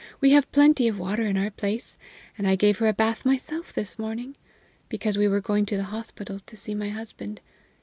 "We have plenty of water in our place, and I gave her a bath myself this morning, because we were going to the hospital to see my husband.